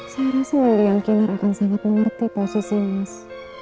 saya rasa beliau kinar akan sangat mengerti posisi mas